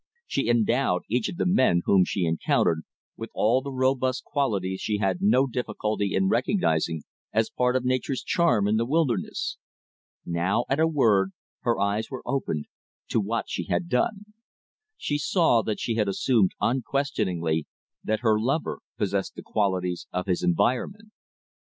She endowed each of the men whom she encountered with all the robust qualities she had no difficulty in recognizing as part of nature's charm in the wilderness. Now at a word her eyes were opened to what she had done. She saw that she had assumed unquestioningly that her lover possessed the qualities of his environment.